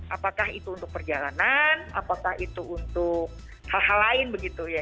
apakah itu untuk perjalanan apakah itu untuk hal hal lain begitu ya